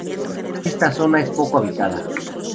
Esta zona es poco habitada.